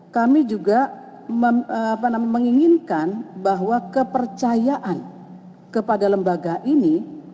kami juga menginginkan bahwa kepercayaan kepada lembaga ini